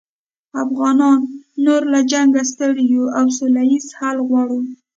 افغانان نور له جنګه ستړي یوو او سوله ییز حل غواړو